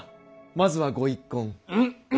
まずはご一献。